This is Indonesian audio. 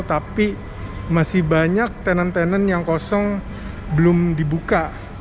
tapi masih banyak tenan tenan yang kosong belum dibuka